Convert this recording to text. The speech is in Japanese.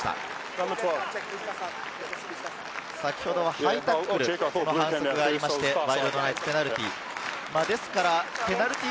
先ほどハイタックルの反則がありまして、ワイルドナイツ、ペナルティー。